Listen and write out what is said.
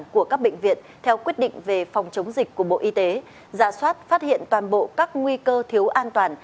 các quy định về phòng chống dịch của bộ y tế giả soát phát hiện toàn bộ các nguy cơ thiếu an toàn